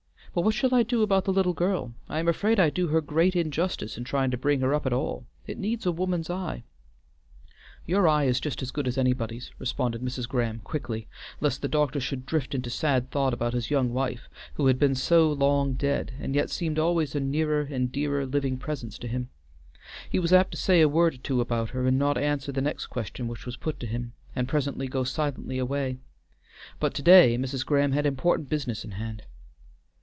But what shall I do about the little girl? I am afraid I do her great injustice in trying to bring her up at all it needs a woman's eye." "Your eye is just as good as anybody's," responded Mrs. Graham quickly, lest the doctor should drift into sad thought about his young wife who had been so long dead and yet seemed always a nearer and dearer living presence to him. He was apt to say a word or two about her and not answer the next question which was put to him, and presently go silently away, but to day Mrs. Graham had important business in hand.